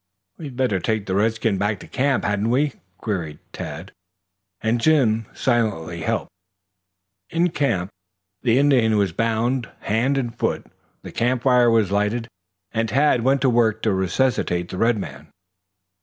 "We'd better take the redskin back to camp, hadn't we?" queried Tad, and Jim silently helped. In camp, the Indian was bound hand and foot. The camp fire was lighted and Tad went to work to resuscitate the red man.